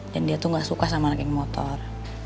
dan dia tuh gak suka sama anak yang motor